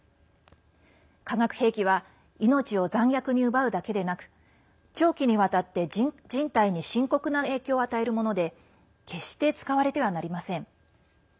化学兵器は命を残虐に奪うだけでなく長期にわたって人体に深刻な影響を与えるもので決して使われてはなりません。